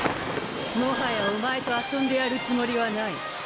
もはやお前と遊んでやるつもりはない。